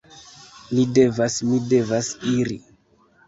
Mi devas, mi devas iri!